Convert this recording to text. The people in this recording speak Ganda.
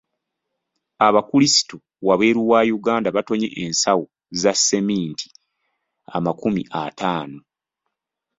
Abakulisitu wabweru wa Uganda batonye ensawo za seminti amakumi ataano.